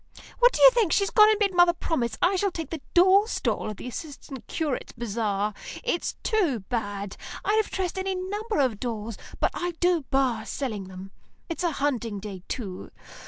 What do you think, she's gone and made mother promise I shall take the doll stall at the Assistant Curates' Bazaar. It's too bad. I'd have dressed any number of dolls, but I do bar selling them. It's a hunting day, too.